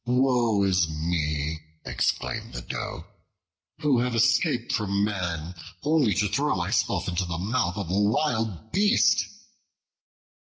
"Woe is me," exclaimed the Doe, "who have escaped from man, only to throw myself into the mouth of a wild beast?"